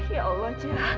ya allah jah